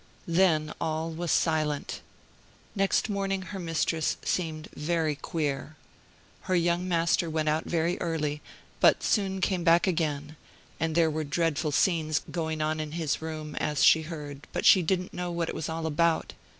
Then all was silent. Next morning her mistress seemed "very queer." Her young master went out very early, but soon came back again; and there were dreadful scenes going on in his room, as she heard, but she didn't know what it was all about.